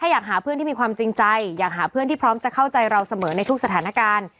อยากหาเพื่อนที่มีความจริงใจอยากหาเพื่อนที่พร้อมจะเข้าใจเราเสมอในทุกสถานการณ์